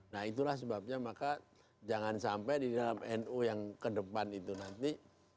nah itulah sebabnya maka jangan sampai di dalam nu yang kedepan itu nanti